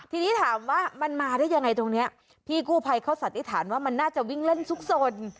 ทีนี้ถามว่ามันมาได้ยังไงตรงนี้พี่กู้ภัยเขาสันนิษฐานว่ามันน่าจะวิ่งเล่นซุกสน